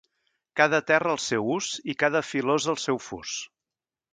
Cada terra el seu ús i cada filosa el seu fus.